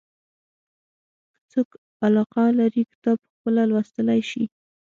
که څوک علاقه لري کتاب پخپله لوستلای شي.